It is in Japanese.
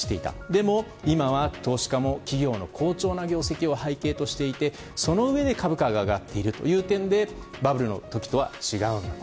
でも今は投資家の企業の好調な業績を背景としていてそのうえで株価が上がっているという点でバブルの時とは違うんだと。